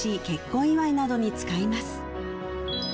結婚祝いなどに使います